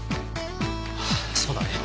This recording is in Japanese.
ああそうだね。